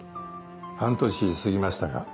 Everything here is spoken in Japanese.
半年過ぎましたが。